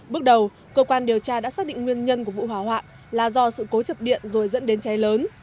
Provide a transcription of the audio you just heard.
bước đầu cơ quan điều tra đã xác định nguyên nhân của vụ hỏa hoạn là do sự cố chập điện rồi dẫn đến cháy lớn